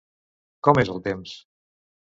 Com és el temps?